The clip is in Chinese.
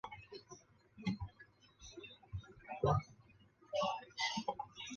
他也主张将州的首府从法兰克福迁到莱克星顿。